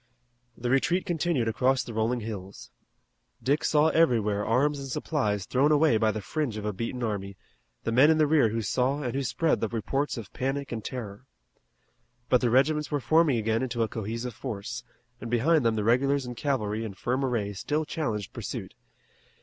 The retreat continued across the rolling hills. Dick saw everywhere arms and supplies thrown away by the fringe of a beaten army, the men in the rear who saw and who spread the reports of panic and terror. But the regiments were forming again into a cohesive force, and behind them the regulars and cavalry in firm array still challenged pursuit.